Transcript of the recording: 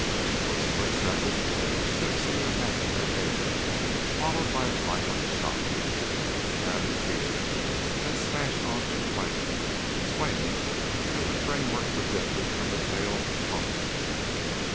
For a split second the ship seemed to hang in mid air followed by a violent shock. The cabin teetered, then smashed onto the plain, swaying as the framework projecting from the tail crumpled.